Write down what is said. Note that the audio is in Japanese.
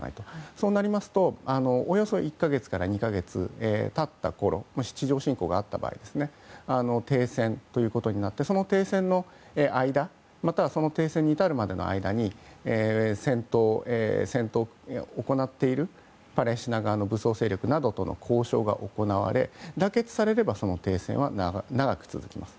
そうなりますとおよそ１か月から２か月が経ったころもし地上侵攻があった場合停戦ということになってその停戦の間またはその停戦に至るまでの間に戦闘を行っているパレスチナ側の武装勢力との交渉が行われ、妥結されればその停戦は長く続きます。